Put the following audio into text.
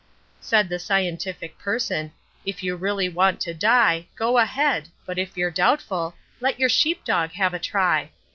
Said the scientific person, 'If you really want to die, Go ahead but, if you're doubtful, let your sheep dog have a try.